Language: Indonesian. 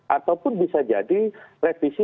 ataupun bisa jadi revisi